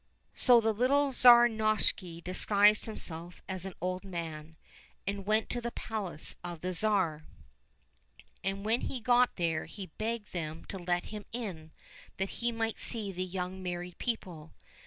So the little Tsar Novishny disguised himself as an 77 COSSACK FAIRY TALES old man, and went to the palace of the Tsar. And when he got there he begged them to let him in that he might see the young married people.